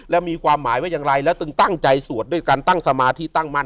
แล้วมีความหมายว่าอย่างไรแล้วตึงตั้งใจสวดด้วยการตั้งสมาธิตั้งมั่น